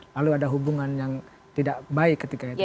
lalu ada hubungan yang tidak baik ketika itu